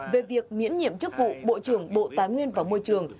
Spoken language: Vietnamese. về việc miễn nhiệm chức vụ bộ trưởng bộ tài nguyên và môi trường